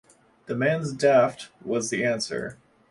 "The man's daft," was the answer.